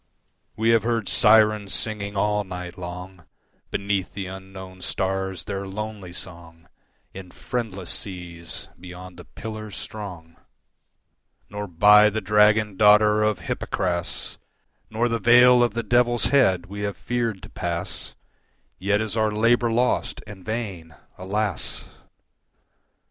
We have heard Syrens singing all night long Beneath the unknown stars their lonely song In friendless seas beyond the Pillars strong. Nor by the dragon daughter of Hypocras Nor the vale of the Devil's head we have feared to pass, Yet is our labour lost and vain, alas!